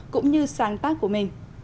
cũng như sáng tác của mình